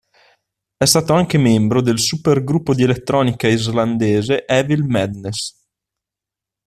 È stato anche membro del supergruppo di elettronica islandese Evil Madness.